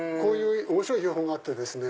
面白い標本があってですね